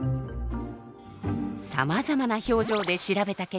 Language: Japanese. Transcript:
さまざまな表情で調べた結果がこちら。